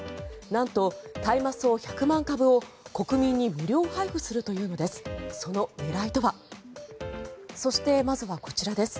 なんと、大麻草１００万株を国民に無料配布するというのです。